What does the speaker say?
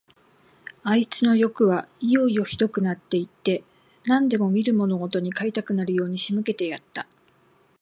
あいつのよくはいよいよひどくなって行って、何でも見るものごとに買いたくなるように仕向けてやった。